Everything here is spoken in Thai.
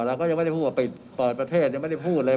เราก็ยังไม่ได้พูดว่าเปิดประเทศยังไม่ได้พูดเลย